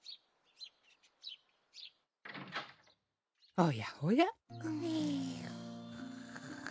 おやおや。